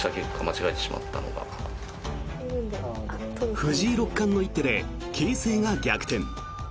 藤井六冠の一手で形勢が逆転。